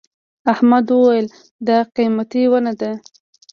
احمد وويل: دا قيمتي ونه ده.